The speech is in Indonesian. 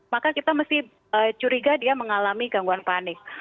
maka kita mesti curiga dia mengalami gangguan panik